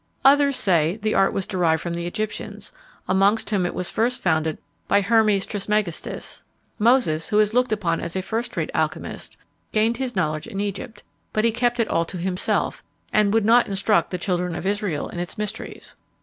Others say, the art was derived from the Egyptians, amongst whom it was first founded by Hermes Trismegistus. Moses, who is looked upon as a first rate alchymist, gained his knowledge in Egypt; but he kept it all to himself, and would not instruct the children of Israel in its mysteries.